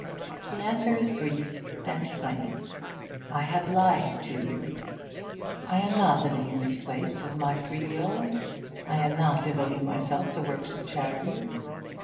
'The answer is brief and plain. I have lied to you. 'I am not living in this place of my free will. I am not devoting myself to works of charity.